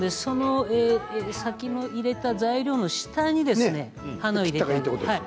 先に入れた材料の下に花を入れてください。